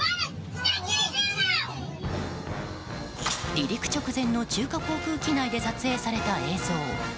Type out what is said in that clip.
離陸直前の中華航空機内で撮影された映像。